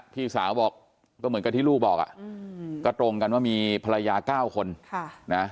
พี่สาวบอกก็เหมือนกับที่ลูกบอกอ่ะก็ตรงกันว่ามีภรรยา๙คนนะ